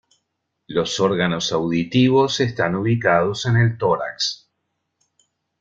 Los órganos auditivos están ubicados en el tórax.